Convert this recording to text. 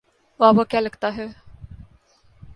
وہ آپ کا کیا لگتا ہے؟